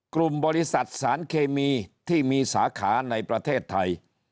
กลุ่มบริษัทสารเคมีที่มีสาขาในประเทศไทย